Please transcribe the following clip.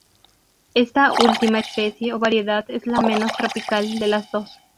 Está última especie o variedad es la menos tropical de las dos.